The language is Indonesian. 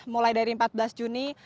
mulai dari empat belas juni